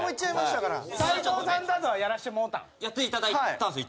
やっていただいたんですよ